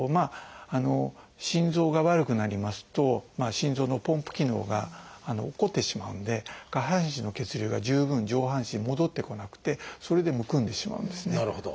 心臓が悪くなりますと心臓のポンプ機能が落っこちてしまうんで下半身の血流が十分上半身に戻ってこなくてそれでむくんでしまうんですね。